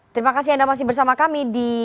terima kasih anda masih bersama kami di